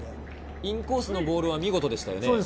インコースのボールは見事でしたよね。